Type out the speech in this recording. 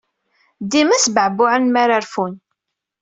Dima sbeɛbuɛen mi ara rfun.